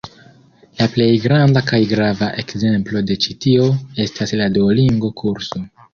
La plej granda kaj grava ekzemplo de ĉi tio estas la Duolingo-kurso.